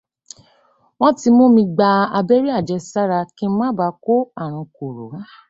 Wọ́n ti mú mi gba abẹ́rẹ́ àjẹsára kí n má baà kó àrùn kòró